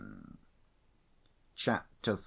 Chapter V.